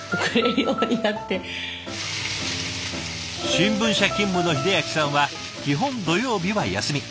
新聞社勤務の英明さんは基本土曜日は休み。